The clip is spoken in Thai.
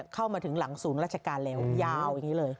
เข้ามาถึงหลังศูนย์ราชการเร็วยาวอย่างนี้เลย